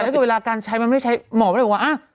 แต่เวลาการใช้มันไม่ใช้หมอไปแล้วว่า